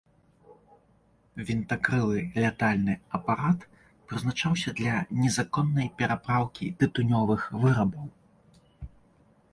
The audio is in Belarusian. Вінтакрылы лятальны апарат прызначаўся для незаконнай перапраўкі тытунёвых вырабаў.